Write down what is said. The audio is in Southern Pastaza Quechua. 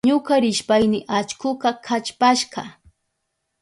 Ñuka rishpayni allkuka kallpashka.